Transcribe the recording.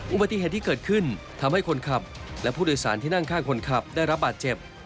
อุบัติเหตุที่เกิดขึ้นทำให้คนขับและผู้โดยสารที่นั่งข้างคนขับได้รับบาดเจ็บ